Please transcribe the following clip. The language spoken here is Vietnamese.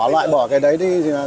loại bỏ cái đấy đi